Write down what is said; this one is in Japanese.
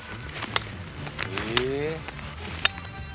え。